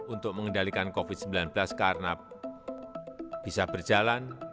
untuk mengendalikan covid sembilan belas karena bisa berjalan